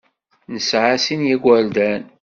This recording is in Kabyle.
Nesɛa sin n yigerdan.